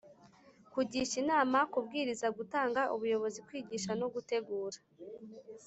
kugisha inama, kubwiriza, gutanga ubuyobozi, kwigisha no gutegura